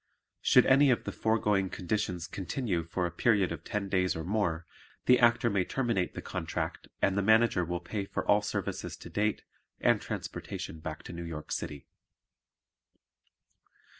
Should any of the foregoing conditions continue for a period of ten days or more, the Actor may terminate the contract and the Manager will pay for all services to date and transportation back to New York City.